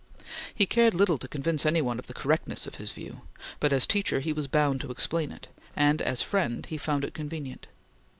He cared little to convince any one of the correctness of his view, but as teacher he was bound to explain it, and as friend he found it convenient.